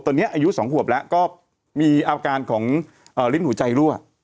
ตอนนี้อายุ๒ขวบแล้วก็มีอาการของลิ้นหัวใจรั่ว